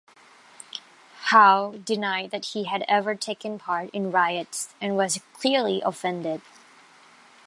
Howe denied that he had ever taken part in "riots" and was clearly offended.